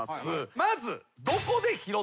まず。